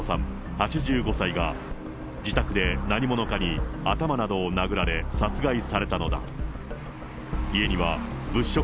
８５歳が、自宅で何者かに頭などを殴られ、殺害されたのだ。